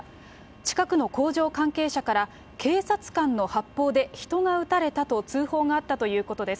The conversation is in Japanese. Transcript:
近くの工場関係者から、警察官の発砲で人が撃たれたと通報があったということです。